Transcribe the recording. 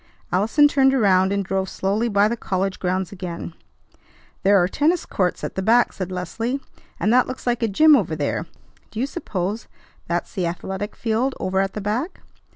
Allison turned around, and drove slowly by the college grounds again. "There are tennis courts at the back," said Leslie, "and that looks like a gym over there. Do you suppose that's the athletic field over at the back?"